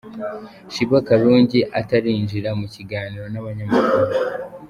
Sheebah Karungi atarinjira mu kiganiro n'abanyamakuru.